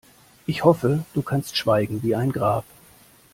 Ich hoffe, du kannst schweigen wie ein Grab.